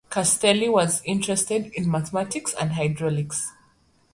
Castelli was interested in mathematics and hydraulics.